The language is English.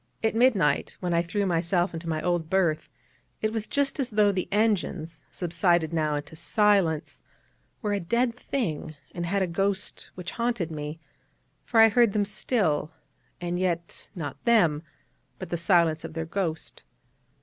At midnight when I threw myself into my old berth, it was just as though the engines, subsided now into silence, were a dead thing, and had a ghost which haunted me; for I heard them still, and yet not them, but the silence of their ghost.